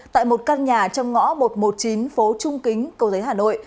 tại một căn nhà trong ngõ một trăm một mươi chín phố trung kính cầu giấy hà nội